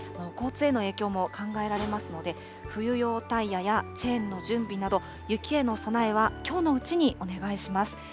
交通への影響も考えられますので、冬用タイヤやチェーンの準備など、雪への備えはきょうのうちにお願いします。